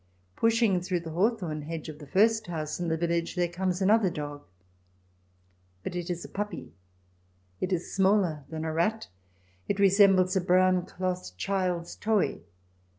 Pushing through the hawthorn hedge of the first house in the village there comes another dog. But it is a puppy ; it is smaller than a rat ; it resembles a brown cloth child's toy.